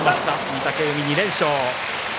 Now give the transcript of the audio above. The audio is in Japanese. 御嶽海２連勝。